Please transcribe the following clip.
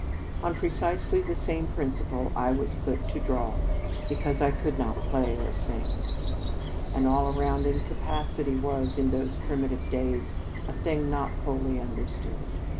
On pre cisely the same principle, I was put to draw because I could not play or sing. An all round incapacity was, in those primitive days, a thing not wholly understood.